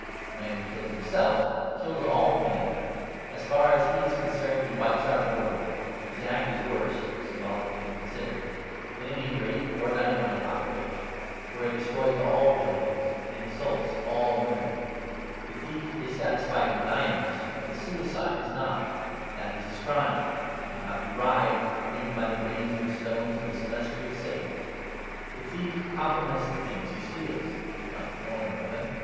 The man who kills himself, kills all men; as far as he is concerned he wipes out the world. His act is worse (symbolically considered) than any rape or dynamite outrage. For it destroys all buildings: it insults all women. The thief is satisfied with diamonds; but the suicide is not: that is his crime. He cannot be bribed, even by the blazing stones of the Celestial City. The thief compliments the things he steals, if not the owner of them.